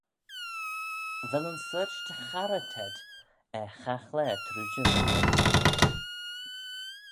Vel yn sorçh dy charrey t'ayd er chaghlaa trooid y vea ayd?